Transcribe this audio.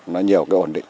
nó nhiều cái ổn định